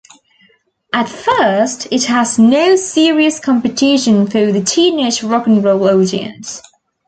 At first it had no serious competition for the teenage rock 'n' roll audience.